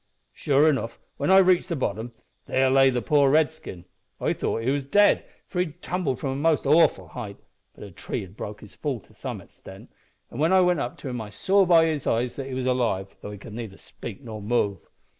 Sure enough, when I reached the bottom, there lay the poor Redskin. I thought he was dead, for he'd tumbled from a most awful height, but a tree had broke his fall to some extent, and when I went up to him I saw by his eyes that he was alive, though he could neither speak nor move.